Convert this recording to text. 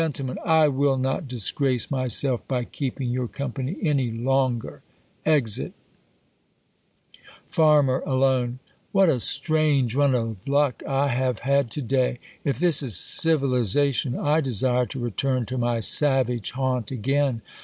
I will not disgrace my.self by keeping your company any long^jr. [Exit,] Farm, THE COLUMBIAiNi Ox^ATOR. 293 Farm, [aloneJ] What a strange run of luck I have had to day •' If this is civilization, I desire to return to my savage haunt again.